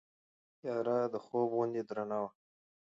تیاره د خوب غوندې درنه وه.